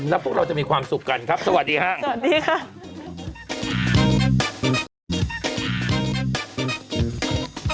แล้วพวกเราจะมีความสุขกันครับสวัสดีครับ